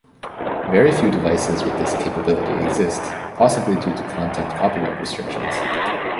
Very few devices with this capability exist, possibly due to content copyright restrictions.